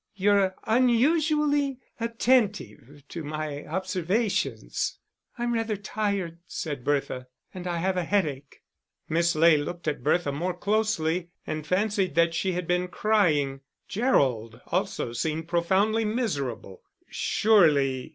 "You're unusually attentive to my observations." "I'm rather tired," said Bertha, "and I have a headache." Miss Ley looked at Bertha more closely, and fancied that she had been crying; Gerald also seemed profoundly miserable. Surely....